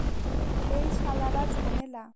এই শালারা ঝামেলা।